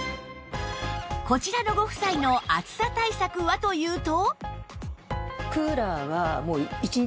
こちらのご夫妻の暑さ対策はというと